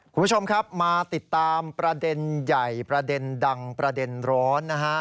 คุณผู้ชมครับมาติดตามประเด็นใหญ่ประเด็นดังประเด็นร้อนนะฮะ